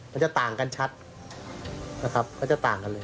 มันจะต่างกันชัดนะครับเขาจะต่างกันเลย